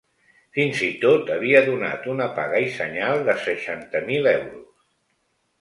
Fins i tot havia donat una paga i senyal de seixanta mil euros.